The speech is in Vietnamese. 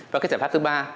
và cái giải pháp thứ ba